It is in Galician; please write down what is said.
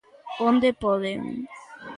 ¡Onde poden!